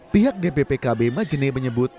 pihak dppkb majene menyebut